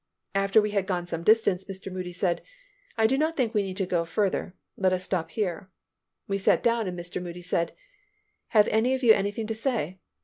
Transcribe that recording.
After we had gone some distance, Mr. Moody said, "I do not think we need to go further. Let us stop here." We sat down and Mr. Moody said, "Have any of you anything to say?"